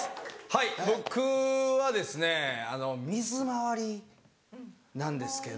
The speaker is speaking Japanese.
はい僕は水回りなんですけど。